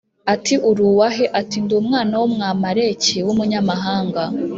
ati “Uri uwa he?” Ati “Ndi umwana w’Umwamaleki w’umunyamahanga”